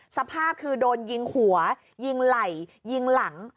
สภาพคือโดนยิงหัวยิงไหล่ยิงหลัง